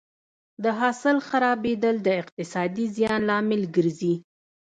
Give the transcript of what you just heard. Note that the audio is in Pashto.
د حاصل خرابېدل د اقتصادي زیان لامل ګرځي.